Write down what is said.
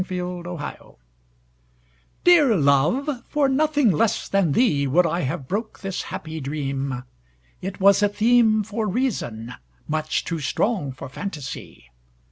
The Dream DEAR love, for nothing less than theeWould I have broke this happy dream; It was a themeFor reason, much too strong for fantasy.